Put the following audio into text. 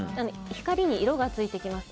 光に色がついてきます。